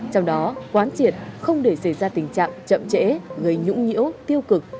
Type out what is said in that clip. trong đó quán triệt không để xảy ra tình trạng chậm trễ gây nhũng nhiễu tiêu cực